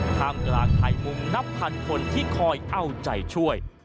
ท่ามกลางไทยมุงนับพันคนที่คอยเอาใจช่วย